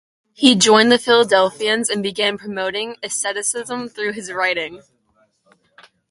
He then joined the Philadelphians and began promoting asceticism through his writings.